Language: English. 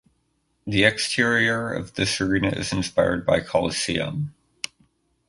The exterior of this arena is inspired by Colosseum.